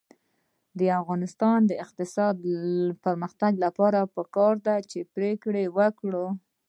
د افغانستان د اقتصادي پرمختګ لپاره پکار ده چې پرېکړه وکړو.